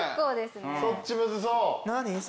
そっちむずそう。